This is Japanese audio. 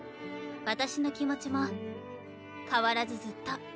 私の気持ちも変わらずずっと。